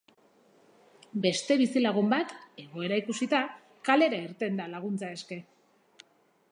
Beste bizilagun bat, egoera ikusita, kalera irten da laguntza eske.